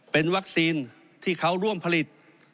เป็นวัคซีนที่เขาร่วมผลิต